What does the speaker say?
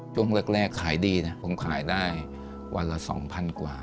ช่วงแรกขายดีนะผมขายได้วันละ๒๐๐กว่า